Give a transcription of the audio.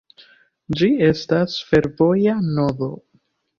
Ĝi estas fervoja nodo.